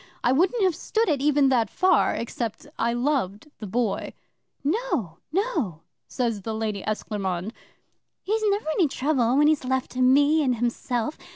I wouldn't have stood it even that far except I loved the Boy. '"No! No!" says the Lady Esclairmonde. "He's never any trouble when he's left to me and himself.